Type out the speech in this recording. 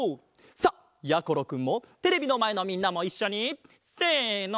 さあやころくんもテレビのまえのみんなもいっしょにせの。